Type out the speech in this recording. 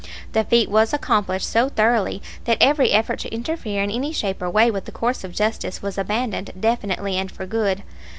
The feat was accomplished so thoroughly that every effort to interfere in any shape or way with the course of justice was abandoned definitely and for good.